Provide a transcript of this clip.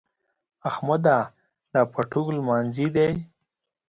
احمده! دا پټو لمانځي دی؟